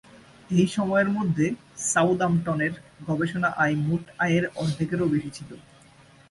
এই সময়ের মধ্যে, সাউদাম্পটনের গবেষণা আয় মোট আয়ের অর্ধেকেরও বেশি ছিল।